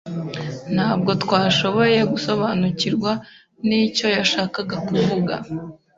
Ntabwo twashoboye gusobanukirwa nicyo yashakaga kuvuga.